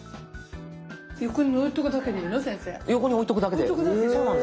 横に置いとくだけで。